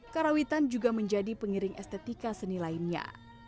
karawitan juga menjadi pengiring estetika seni lainnya